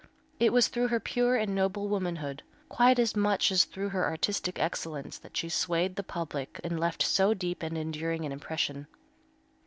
It was through her pure and noble womanhood, quite as much as through her artistic excellence that she swayed the public and left so deep and enduring an impression.